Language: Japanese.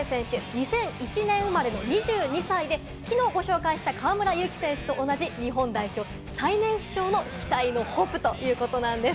２００１年生まれの２２歳で、きのうご紹介した河村勇輝選手と同じ日本代表最年少の期待のホープということなんです。